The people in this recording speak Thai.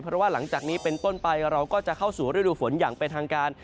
เพราะว่าหลังจากนี้เป็นต้นไปเราก็จะเข้าสู่ฤดูฝนอย่างเป็นทางการ